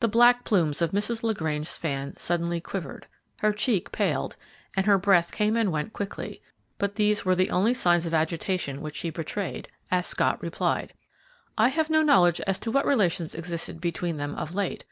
The black plumes of Mrs. LaGrange's fan suddenly quivered, her cheek paled, and her breath came and went quickly, but these were the only signs of agitation which she betrayed, as Scott replied, "I have no knowledge as to what relations existed between them of late.